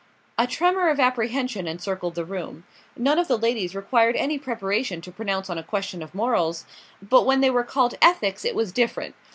A tremor of apprehension encircled the room. None of the ladies required any preparation to pronounce on a question of morals; but when they were called ethics it was different.